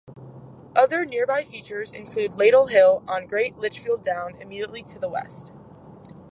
Other nearby features include Ladle Hill, on Great Litchfield Down, immediately to the west.